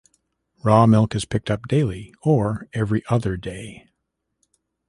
Raw milk is picked up daily, or every other day.